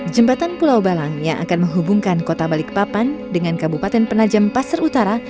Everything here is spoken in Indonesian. jembatan pulau balang yang akan menghubungkan kota balikpapan dengan kabupaten penajam pasar utara